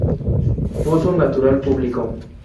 Pozo natural público.